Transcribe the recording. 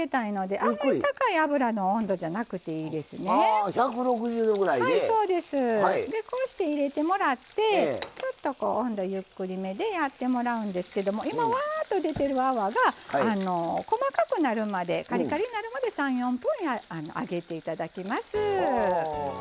でこうして入れてもらってちょっとこう温度ゆっくりめでやってもらうんですけども今ワーッと出てる泡が細かくなるまでカリカリになるまで３４分揚げていただきます。